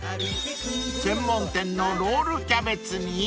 ［専門店のロールキャベツに］